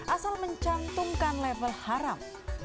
asal mencantumkan level haram